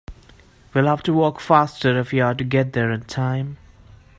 We'll have to walk faster if we are to get there in time.